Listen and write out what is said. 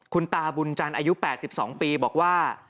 คุณตาบุญจันทร์อายุ๘๒ปีบอกว่า